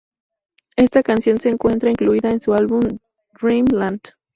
Esta canción se encuentra incluida en su álbum Dreamland.